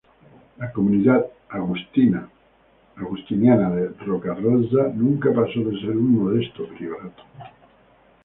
La comunidad agustiniana de Roca Rossa nunca pasó de ser un modesto priorato.